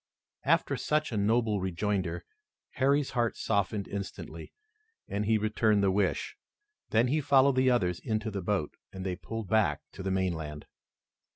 After such a noble rejoinder Harry's heart softened instantly, and he returned the wish. Then he followed the others into the boat, and they pulled back to the mainland.